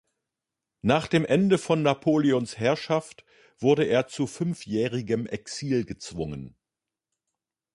Nach dem Ende von Napoleons Herrschaft wurde er zu fünfjährigem Exil gezwungen.